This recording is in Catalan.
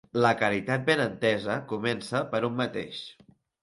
La caritat ben entesa comença per un mateix.